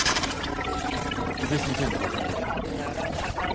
宇部先生の方は？